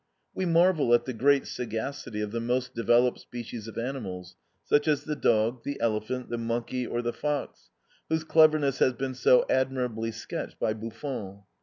We marvel at the great sagacity of the most developed species of animals, such as the dog, the elephant, the monkey or the fox, whose cleverness has been so admirably sketched by Buffon.